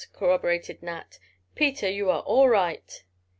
corroborated Nat. "Peter, you are all right!"